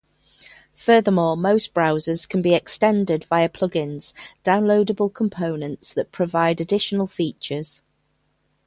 Furthermore, most browsers can be extended via plug-ins, downloadable components that provide additional features.